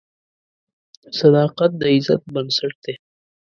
صداقت د عزت بنسټ دی.